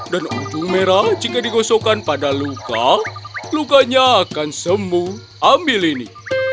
dan ujung perak jika digosokkan pada luka lukanya akan sembuh ambil ini